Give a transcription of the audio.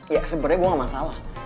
iya sebenernya gue gak masalah